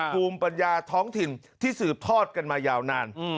ภูมิปัญญาท้องถิ่นที่สืบทอดกันมายาวนาน